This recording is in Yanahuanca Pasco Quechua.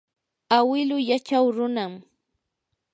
awilu yachaw runam.